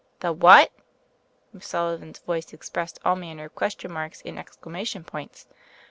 "The whatI?" Miss Sullivan's voice ex pressed all manner of question marks and ex clamation points.